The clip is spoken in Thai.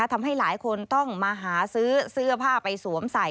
ทำให้หลายคนต้องมาหาซื้อเสื้อผ้าไปสวมใส่